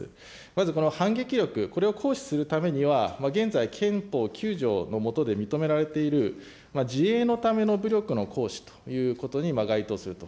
まず反撃力、これを行使するためには現在、憲法９条の下で認められている自衛のための武力の行使ということに該当すると。